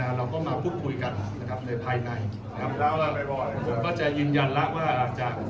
เราก็มาพูดคุยกันนะครับในภายในนะครับผมก็จะยืนยันแล้วว่าอาจจะ